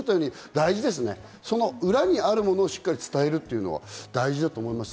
その裏にあるものをしっかり伝えるというのが大事なことだと思います。